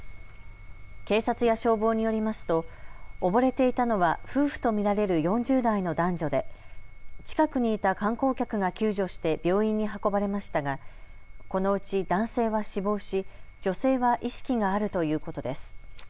警察や消防によりますと溺れていたのは夫婦と見られる４０代の男女で近くにいた観光客が救助して病院に運ばれましたがこのうち男性は死亡し女性は意識があるということです。